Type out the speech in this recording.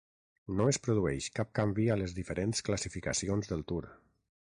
No es produeix cap canvi a les diferents classificacions del Tour.